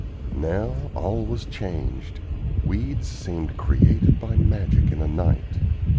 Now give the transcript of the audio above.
Now all was changed. Weeds seemed created by magic in a night.